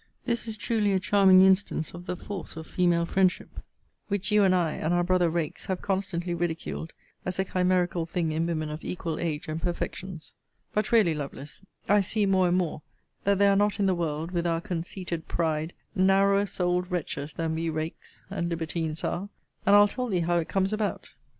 This is truly a charming instance of the force of female friendship; which you and I, and our brother rakes, have constantly ridiculed as a chimerical thing in women of equal age, and perfections. But really, Lovelace, I see more and more that there are not in the world, with our conceited pride, narrower souled wretches than we rakes and libertines are. And I'll tell thee how it comes about.